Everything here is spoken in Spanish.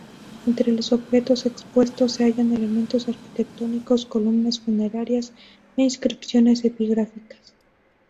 Entre los objetos expuestos se hallan elementos arquitectónicos, columnas funerarias e inscripciones epigráficas.